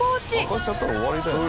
爆発しちゃったら終わりだよね。